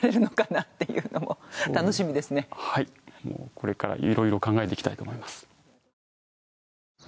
もうこれからいろいろ考えていきたいと思います。